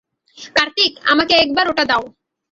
কার্তিক, আমাকে একবার ওটা দাও!